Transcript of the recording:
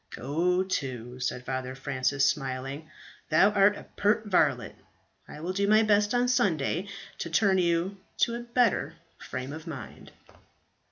"Go to," said Father Francis, smiling, "thou art a pert varlet. I will do my best on Sunday to turn you to a better frame of mind."